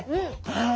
はい。